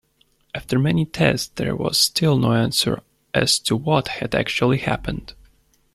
After many tests there was still no answer as to what had actually happened.